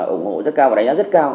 ổng hộ rất cao và đánh giá rất cao